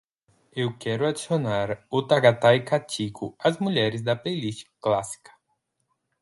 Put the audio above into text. Eu quero adicionar Ottagathai Kattiko às mulheres da playlist clássica.